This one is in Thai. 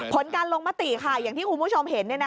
ผลการลงมติอย่างที่คุณผู้ชมเห็น